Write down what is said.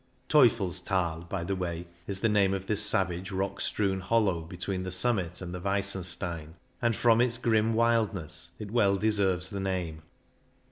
" Teufels thal," by the way, is the name of this savage, rock strewn hollow between the summit and the Weissenstein, and from its grim wildness it well deserves the name.